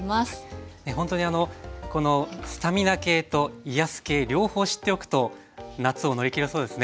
ほんとにあのこのスタミナ系と癒やす系両方知っておくと夏を乗り切れそうですね。